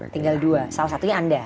tinggal dua salah satunya anda